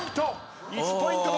９ポイント。